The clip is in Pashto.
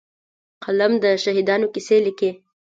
قلم د شهیدانو کیسې لیکي